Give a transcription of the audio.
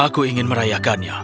aku ingin merayakannya